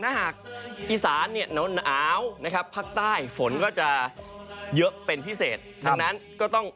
หากอิสาเนี่ยหนาวภาคใต้ฝนก็จะเยอะเป็นพิเศษนะครับ